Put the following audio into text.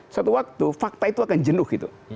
suatu waktu fakta itu akan jenuh gitu